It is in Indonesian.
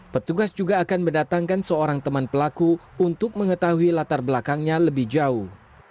petugas juga akan mendatangkan seorang teman pelaku untuk mengetahui latar belakangnya lebih jauh